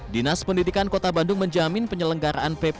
dinas pendidikan kota bandung menjamin penyelenggaraan pp